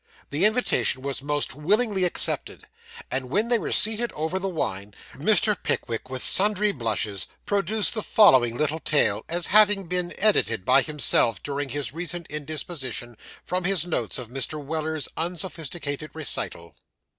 The invitation was most willingly accepted; and when they were seated over their wine, Mr. Pickwick, with sundry blushes, produced the following little tale, as having been 'edited' by himself, during his recent indisposition, from his notes of Mr. Weller's unsophisticated recital.